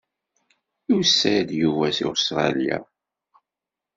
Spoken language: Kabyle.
Yusa-d Yuba seg Ustṛalya.